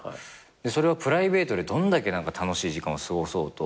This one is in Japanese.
それはプライベートでどんだけ楽しい時間を過ごそうと何か癒えない。